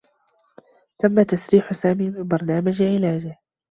تمّ تسريح سامي من برنامج علاجه.